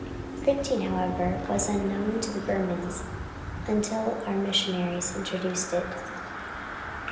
Printing, however, was unknown to the Burmans until our missionaries introduced it.